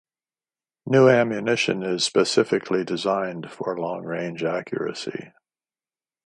New ammunition is specifically designed for long range accuracy.